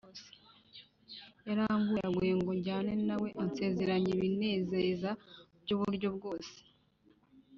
yaranguyaguye ngo njyane nawe, ansezeranya ibinezeza by’uburyo bwose